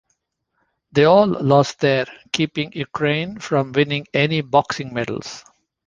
They all lost there, keeping Ukraine from winning any boxing medals.